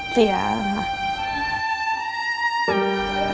เสียค่ะ